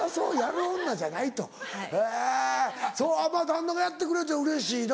へぇ旦那がやってくれるってうれしいな。